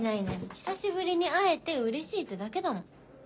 久しぶりに会えてうれしいってだけだもん。